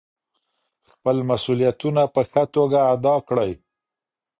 خپل مسؤلیتونه په ښه توګه ادا کړئ.